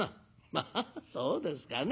「まあそうですかね。